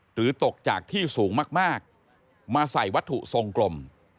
ตกจากที่สูงมากมาใส่วัตถุทรงกลม